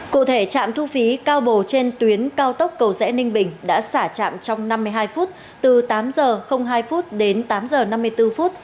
cụ thể trạm thu phí cao bồ trên tuyến cao tốc cầu rẽ ninh bình đã xả trạm trong năm mươi hai phút từ tám h hai đến tám h năm mươi bốn